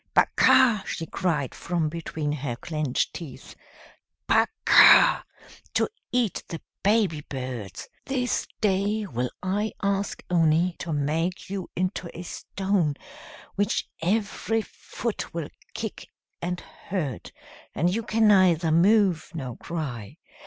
"Baka!" she cried from between her clenched teeth. "Baka to eat the baby birds! This day will I ask Oni to make you into a stone, which every foot will kick and hurt, and you can neither move nor cry.